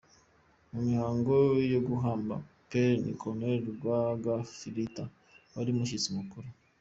Mu mihango yo guhamba Pélé ni Cololnel Rwagafirita wari umushyitsi mukuru.